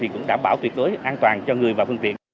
cũng đảm bảo tuyệt đối an toàn cho người và phương tiện